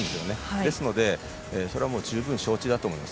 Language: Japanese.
ですので、それはもう十分承知だと思います。